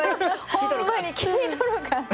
ホンマに聞いとるかって。